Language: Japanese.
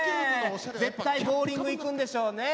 絶対ボウリング行くんでしょうね。